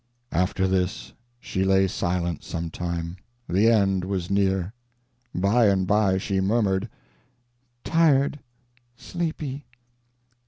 After this, she lay silent some time; the end was near. By and by she murmured, "Tired ... sleepy